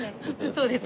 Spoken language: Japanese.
そうです。